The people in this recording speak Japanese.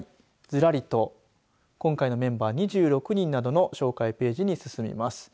ずらりと今回のメンバー２６人などの紹介ページに進みます。